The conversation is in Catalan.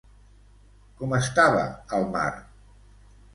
Com estava el mar?